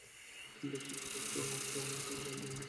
দুঃখিত, doctor Osborne, এরা আমার বন্ধু, নেড এবং এমজে।